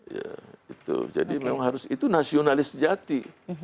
ya itu jadi memang harus itu nasionalis sejati